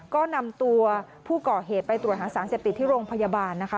ก็นำตัวผู้ก่อเหตุไปตรวจหาสารเสพติดที่โรงพยาบาลนะคะ